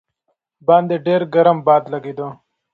باندې ډېر ګرم باد لګېده.